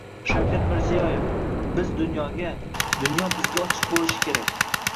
Shavkat Mirziyoyev: Biz – dunyoga, dunyo – bizga ochiq boʻlishi kerakng